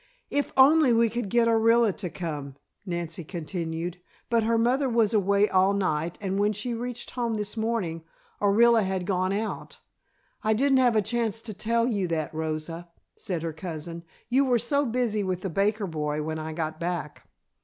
"If only we could get Orilla to come," Nancy continued, "but her mother was away all night and when she reached home this morning Orilla had gone out. I didn't have a chance to tell you that, Rosa," said her cousin. "You were so busy with the baker boy when I got back."